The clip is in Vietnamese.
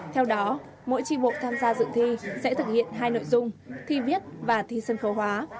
theo đó mỗi tri bộ tham gia dự thi sẽ thực hiện hai nội dung thi viết và thi sân khấu hóa